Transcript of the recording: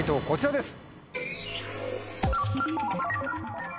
こちらです！